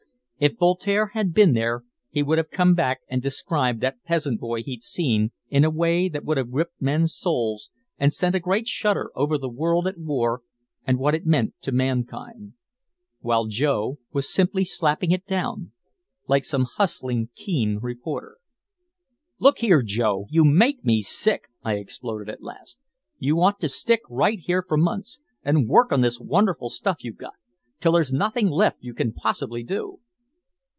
If Voltaire had been there he would have come back and described that peasant boy he'd seen in a way that would have gripped men's souls and sent a great shudder over the world at war and what it meant to mankind while Joe was simply slapping it down like some hustling, keen reporter. "Look here, Joe; you make me sick!" I exploded at last. "You ought to stick right here for months and work on this wonderful stuff you've got till there's nothing left you can possibly do!"